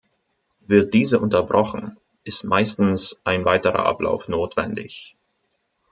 Wird diese unterbrochen, ist meistens ein weiterer Ablauf notwendig.